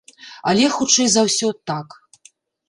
Але, хутчэй за ўсё, так.